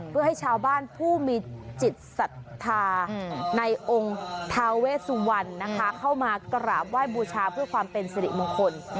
เพื่อให้ชาวบ้านผู้มีจิตศรัทธาในองค์ทาเวสุวรรณนะคะเข้ามากราบไหว้บูชาเพื่อความเป็นสิริมงคล